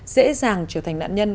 dễ dàng trở thành nạn nhân